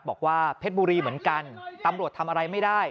บอกว่าเพชรบุรีเหมือนกันตำรวจทำอะไรไม่ได้